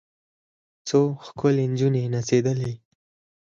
څو ښکلې نجونې نڅېدلې.